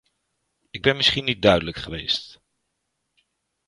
Ik ben misschien niet duidelijk geweest.